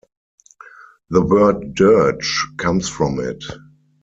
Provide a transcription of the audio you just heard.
The word dirge comes from it.